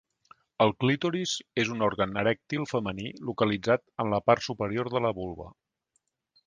El clítoris és un òrgan erèctil femení localitzat en la part superior de la vulva.